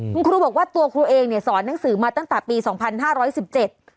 คุณครูบอกว่าตัวครูเองเนี่ยสอนหนังสือมาตั้งแต่ปีสองพันห้าร้อยสิบเจ็ด